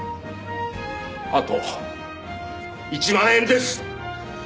あと１万円です！